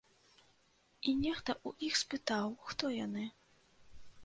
І нехта ў іх спытаў, хто яны.